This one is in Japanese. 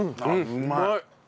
うまい！